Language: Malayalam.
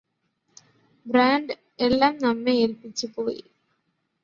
ബ്രാന്റ് എല്ലാം നമ്മെ ഏല്പ്പിച്ചു പോയി